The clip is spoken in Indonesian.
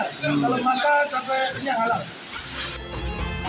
kalau makan sampai kenyang halal